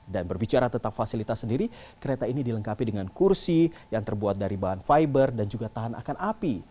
berbicara tentang fasilitas sendiri kereta ini dilengkapi dengan kursi yang terbuat dari bahan fiber dan juga tahan akan api